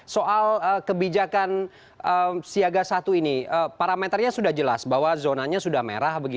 soal kebijakan siaga satu ini parameternya sudah jelas bahwa zonanya sudah merah